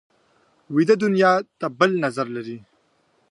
ویده دنیا ته بل نظر لري